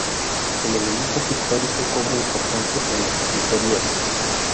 El elemento pictórico cobra importancia en las tapicerías.